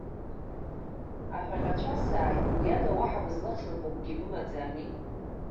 Аҳәаҟьацәа асааит, уи ада уаҳа бызлаҽырбо акгьы бымаӡами!